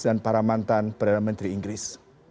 dan para mantan perdana menteri inggris